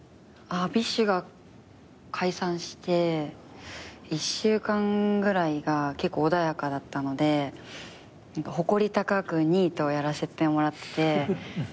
ＢｉＳＨが解散して１週間ぐらいが結構穏やかだったので誇り高くニートをやらせてもらって。